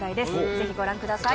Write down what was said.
ぜひご覧ください